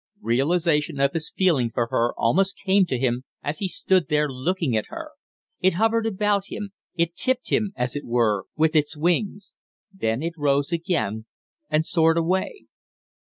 Realization of his feeling for her almost came to him as he stood there looking at her. It hovered about him; it tipped him, as it were, with its wings; then it rose again and soared away.